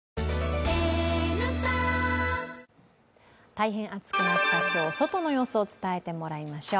大変暑くなった今日、外の様子を伝えてもらいましょう。